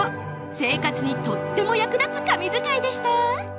生活にとっても役立つ神図解でした